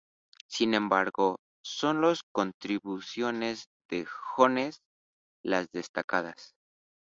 Sin embargo, son las contribuciones de Jones las destacadas.